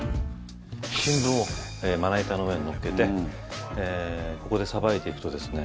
新聞をまな板の上にのっけてここでさばいていくとですね